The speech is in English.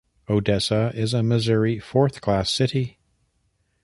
Odessa is a Missouri "Fourth Class" city.